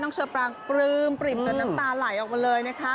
น้องเชอร์ปรางปรึ้มปริ่มจนน้างตาไหลออกมาเลย